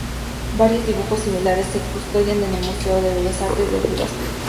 Varios dibujos similares se custodian en el Museo de Bellas Artes de Budapest.